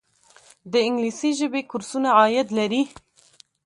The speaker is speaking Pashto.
د انګلیسي ژبې کورسونه عاید لري؟